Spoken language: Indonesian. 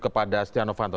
kepada setia novanto